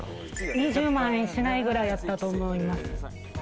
２０万円しないくらいやったと思います。